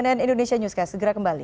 cnn indonesia newscast segera kembali